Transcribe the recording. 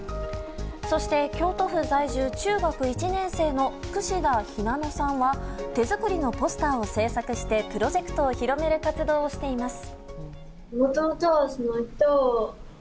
そして、京都府在住中学１年生の櫛田ひなのさんは手作りのポスターを制作してプロジェクトを広める活動をしています。